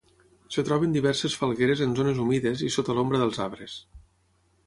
Es troben diverses falgueres en zones humides i sota l'ombra dels arbres.